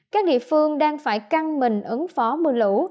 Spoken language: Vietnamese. các địa phương đang phải căng mình ứng phó mưa lũ